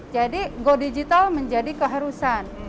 jadi go digital menjadi keharusan